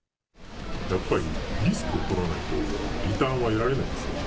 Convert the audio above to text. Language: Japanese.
やっぱりリスクを取らないと、リターンは得られないですよね。